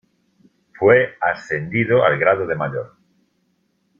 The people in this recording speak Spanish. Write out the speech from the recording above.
Fue ascendido al grado de mayor.